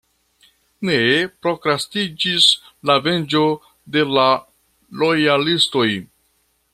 Ne prokrastiĝis la venĝo de la lojalistoj.